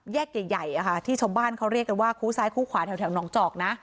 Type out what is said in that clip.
ใหญ่ที่ชาวบ้านเขาเรียกกันว่าคู้ซ้ายคู่ขวาแถวหนองจอกนะ